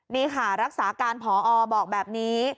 นี่ค่ะรักษาการพอบอกแบบนี้